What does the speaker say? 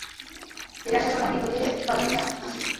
ফিরে আসার সময়, ডিম্পলকে পালিয়ে নিয়ে আসিও।